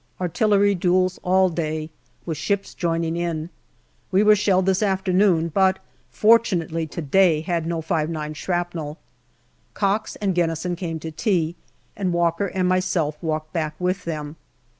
Artillery duels all day, with ships joining in. We were shelled this afternoon, but fortunately to day had no 5*9 shrapnel. Cox and Gennison came to tea, and Walker OCTOBER 247 and myself walked back with them.